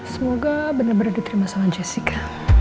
semoga benar benar diterima sama jessica